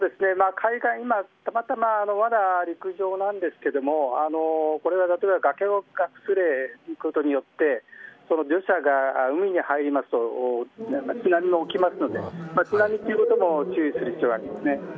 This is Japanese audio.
たいがいまだ陸上なんですけれどもこれが例えば崖をつたうことによって土砂が海に入りますと津波が起きますので津波というものも注意する必要はありますね。